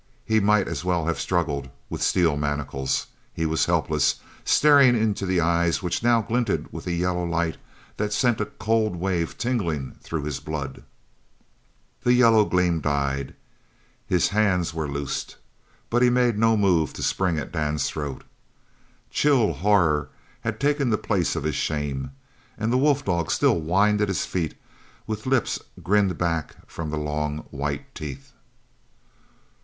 He might as well have struggled with steel manacles. He was helpless, staring into eyes which now glinted with a yellow light that sent a cold wave tingling through his blood. The yellow gleam died; his hands were loosed; but he made no move to spring at Dan's throat. Chill horror had taken the place of his shame, and the wolf dog still whined at his feet with lips grinned back from the long white teeth.